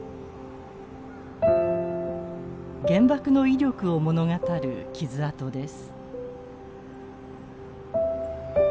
原爆の威力を物語る傷痕です。